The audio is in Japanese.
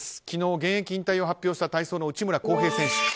昨日、現役引退を発表した体操の内村航平選手。